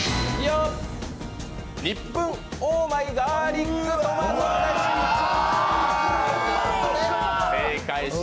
ニップンオーマイガーリックトマトでした。